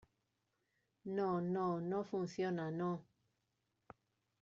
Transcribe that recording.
no, no , no. no funciona , no .